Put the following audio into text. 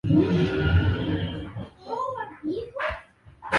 kuhusu viwango hatari vya uchafuzi wa hewa Taarifa hiyo inapatikana